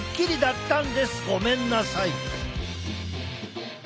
ごめんなさい！